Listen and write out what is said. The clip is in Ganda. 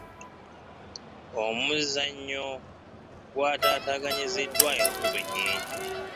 Omuzannyo gw'ataataaganyiziddwa enkuba ennyingi.